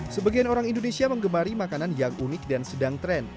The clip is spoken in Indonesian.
sebagian orang indonesia mengemari makanan yang unik dan sedang tren